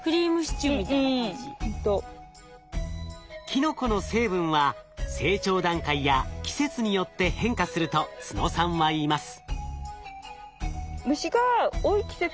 キノコの成分は成長段階や季節によって変化すると都野さんはいいます。